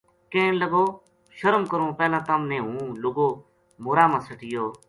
کہن لگو شرم کروں پہلاں تَم نے ہوں لُگا مورا ما سَٹیو